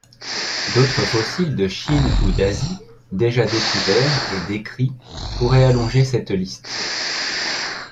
D'autres fossiles de Chine ou d'Asie déjà découverts et décrits pourraient allonger cette liste.